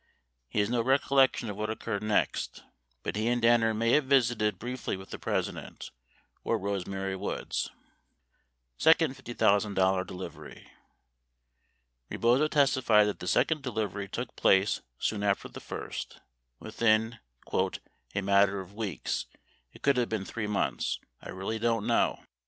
1 He has no recollection of what occurred next, but he and Danner may have visited briefly with the President 2 or Rose Mary Woods. 3 Second $50,000 delivery: Rebozo testified that the second delivery took place soon after the first, within "a matter of weeks [it] could have been 3 months I really don't know.